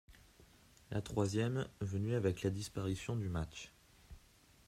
La troisième, venu avec la disparition du march.